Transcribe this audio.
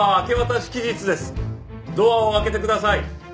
ドアを開けてください。